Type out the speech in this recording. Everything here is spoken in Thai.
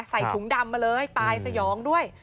ใส่ถุงดำมาเลยตายสยองด้วย